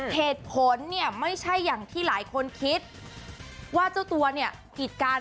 เหตุผลเนี่ยไม่ใช่อย่างที่หลายคนคิดว่าเจ้าตัวเนี่ยกิจการ